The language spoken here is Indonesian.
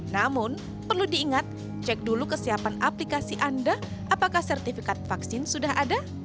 namun perlu diingat cek dulu kesiapan aplikasi anda apakah sertifikat vaksin sudah ada